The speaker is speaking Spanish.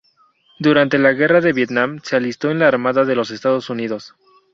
Durante la guerra de Vietnam, se alistó en la Armada de los Estados Unidos.